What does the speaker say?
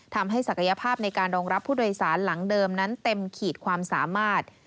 ศักยภาพในการรองรับผู้โดยสารหลังเดิมนั้นเต็มขีดความสามารถ